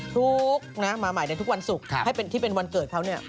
ทุกข์นะมาใหม่ในทุกวันศุกร์ให้ที่เป็นวันเกิดเขาเนี่ย